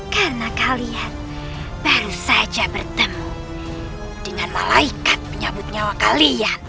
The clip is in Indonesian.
karena kalian baru saja bertemu dengan malaikat penyabut nyawa kalian